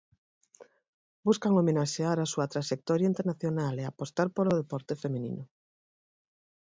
Buscan homenaxear a súa traxectoria internacional e apostar polo deporte feminino.